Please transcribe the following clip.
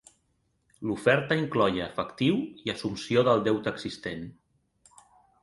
L'oferta incloïa efectiu i assumpció del deute existent.